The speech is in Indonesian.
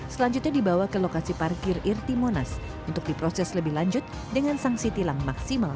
selanjutnya dibawa ke lokasi parkir irti monas untuk diproses lebih lanjut dengan sanksi tilang maksimal